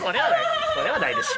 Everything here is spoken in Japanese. それはないでしょ。